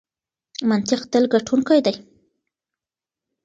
منطق تل ګټونکی دی.